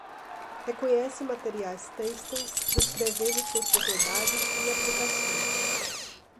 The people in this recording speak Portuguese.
Reconhece materiais têxteis, descrevendo suas propriedades e aplicações.